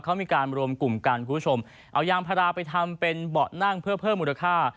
เขามีการรวมกลุ่มกันคุณผู้ชมเอายางพาราไปทำเป็นเบาะนั่งเพื่อเพิ่มมูลค่า